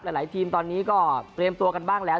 หลายทีมตอนนี้ก็เตรียมตัวกันบ้างแล้ว